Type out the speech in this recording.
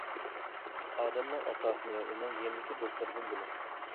ئادەمنىڭ ئاساسىنى ئۇنىڭ يېنىدىكى دوستلىرىدىن بىلىڭ.